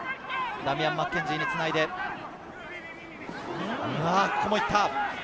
ダミアン・マッケンジーにつないで、ここも行った。